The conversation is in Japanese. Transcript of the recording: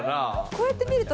こうやって見ると。